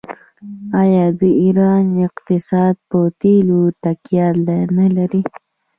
آیا د ایران اقتصاد په تیلو تکیه نلري؟